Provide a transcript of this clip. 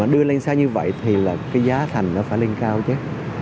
đưa lên xa như vậy thì là cái giá thành nó phải lên cao chứ